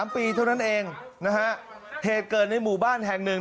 ๓ปีเท่านั้นเองนะฮะเหตุเกิดในหมู่บ้านแห่งหนึ่ง